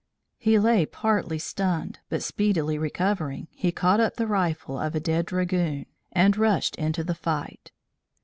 He lay partly stunned but speedily recovering, he caught up the rifle of a dead dragoon and rushed into the fight.